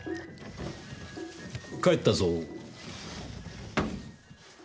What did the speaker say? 帰ったぞ。